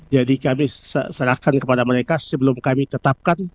jadi kami serahkan kepada mereka sebelum kami tetapkan